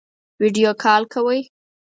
ویډیو کال کوئ؟